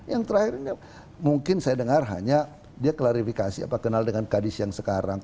yang terakhir mungkin saya dengar hanya dia klarifikasi apa kenal dengan kadis yang sekarang